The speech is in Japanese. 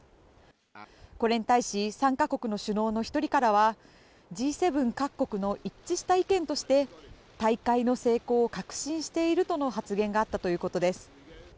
これに対し参加国の首脳の１人からはＧ７各国の一致した意見として大会の成功を確信しているとの発言があったということです。